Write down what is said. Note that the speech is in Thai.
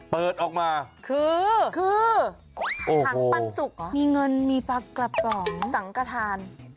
เปิดออกมาคือถังปันสุกมีเงินมีปลากระป๋องสังกระทาน